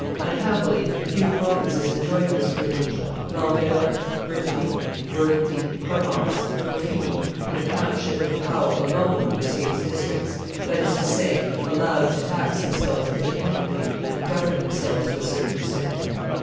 Unhappily few provinces enjoyed this privilege; Languedoc, Brittany, Burgundy, Provence, Dauphiny, and the countship of Pau alone were states districts, that is to say, allowed to tax themselves independently and govern themselves to a certain extent.